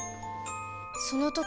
その時